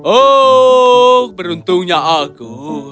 oh beruntungnya aku